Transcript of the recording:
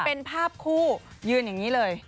เป็นภาพคู่ยืนอย่างนี้เลย